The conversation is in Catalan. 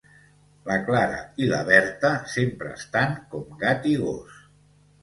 La Clara i la Berta sempre estan com gat i gos